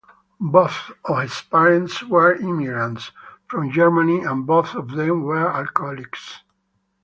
Both of his parents were immigrants from Germany and both of them were alcoholics.